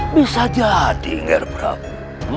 bisa jadi nger prabu